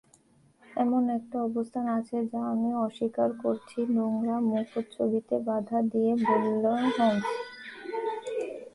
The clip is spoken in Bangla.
এমন একটা অবস্থান আছে যা আমি অস্বীকার করছি, নোংরা মুখচ্ছবিতে বাধা দিয়ে বললে হোমস।